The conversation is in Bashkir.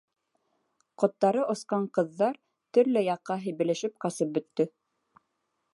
Ҡоттары осҡан ҡыҙҙар төрлө яҡҡа һибелешеп ҡасып бөтә.